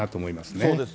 そうですね。